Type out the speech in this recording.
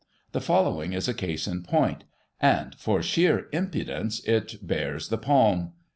The following is a case in point, and for sheer impudence, it bears the palm.